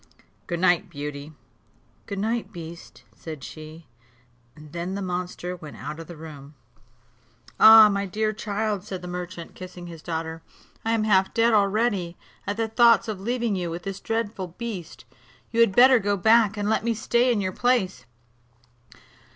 Good night, Beauty." "Good night, beast," said she; and then the monster went out of the room. "Ah! my dear child," said the merchant, kissing his daughter, "I am half dead already, at the thoughts of leaving you with this dreadful beast; you had better go back, and let me stay in your place."